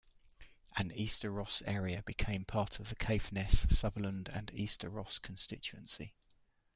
An Easter Ross area became part of the Caithness, Sutherland and Easter Ross constituency.